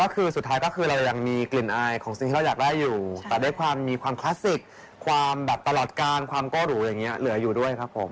ความตลอดการความก้าวรุเหลืออยู่ด้วย